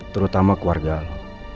terutama keluarga lo